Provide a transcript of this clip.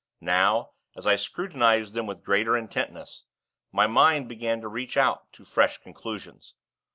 Now, as I scrutinized them with greater intentness, my mind began to reach out to fresh conclusions.